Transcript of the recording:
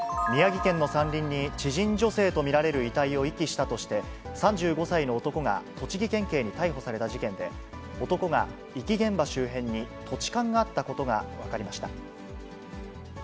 宮城県の山林に、知人女性と見られる遺体を遺棄したとして、３５歳の男が栃木県警に逮捕された事件で、男が遺棄現場周辺に土地勘があったことが分かりました。